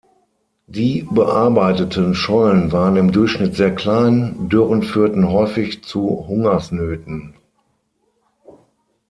Die bearbeiteten Schollen waren im Durchschnitt sehr klein, Dürren führten häufig zu Hungersnöten.